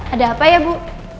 ada apa ya bu